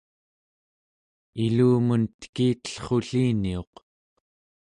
ilumun tekitellrulliniuq